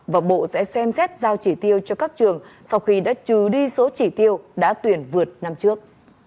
và bộ sẽ xem xét giao chỉ tiêu cho các trường sau khi đã trừ đi số chỉ tiêu đã tuyển vượt năm trước